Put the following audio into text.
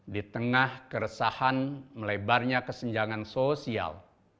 di tengah keresahan melebarnya kesenjangan sosial